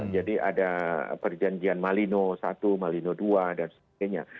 jadi ada perjanjian malino i malino ii dan sebagainya